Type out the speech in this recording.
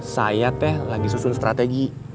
saya teh lagi susun strategi